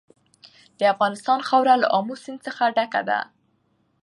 د افغانستان خاوره له آمو سیند څخه ډکه ده.